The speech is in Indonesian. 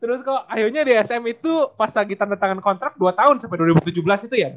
terus kok akhirnya di sm itu pas lagi tanda tangan kontrak dua tahun sampe dua ribu tujuh belas itu ya berarti ya